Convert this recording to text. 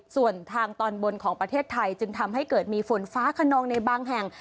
ส่วนทางตอนบนของประเทศไทยจึงทำให้เกิดมีฝนฟ้าขนองในบางแห่ง